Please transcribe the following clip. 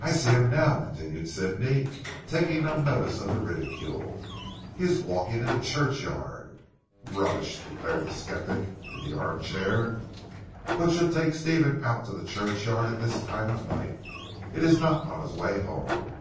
"I see him now," continued Sidney taking no notice of the ridicule. "He is walking in the churchyard." "Rubbish!" declared the sceptic in the arm chair, "what should take Stephen to the churchyard at this time of the night? It is not on his way home."